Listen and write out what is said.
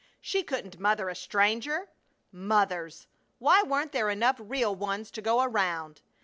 She couldn't mother a stranger! Mothers! Why weren't there enough real ones to go around?